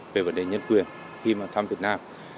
về vấn đề nhân quyền khi thăm việt nam